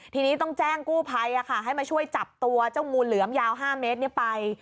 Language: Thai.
ทีนี้ต้องแจ้งกู้ภัยให้มาช่วยจับตัวเจ้างูเหลือมยาว๕เมตรไป